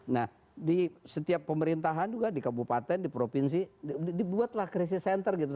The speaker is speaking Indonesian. nah di setiap pemerintahan juga di kabupaten di provinsi dibuatlah krisis center gitu